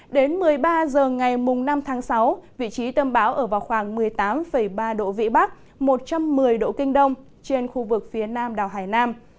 đến một mươi ba h ngày năm tháng sáu vị trí tâm áp thấp nhiệt đới ở vào khoảng một mươi tám ba độ vị bắc một trăm một mươi năm độ kinh đông trên khu vực phía nam đảo hải nam